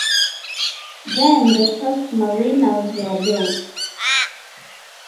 Then the first marinas were built.